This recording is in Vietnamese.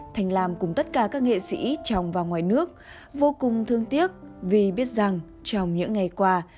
thành làm cùng tất cả các nghệ sĩ trong và ngoài nước vô cùng thương tiếc vì biết rằng trong những ngày qua